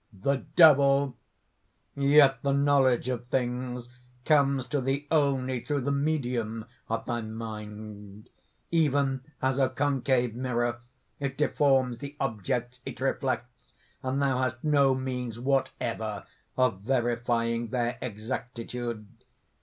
THE DEVIL. "Yet the knowledge of things comes to thee only through the medium of thy mind. Even as a concave mirror, it deforms the objects it reflects; and thou hast no means whatever of verifying their exactitude."